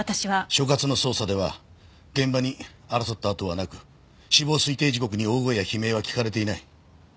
所轄の捜査では現場に争った跡はなく死亡推定時刻に大声や悲鳴は聞かれていない。